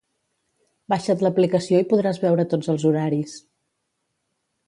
Baixa't l'aplicació i podràs veure tots els horaris